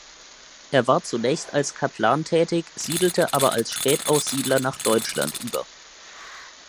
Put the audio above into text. Er war zunächst als Kaplan tätig, siedelte aber als Spätaussiedler nach Deutschland über.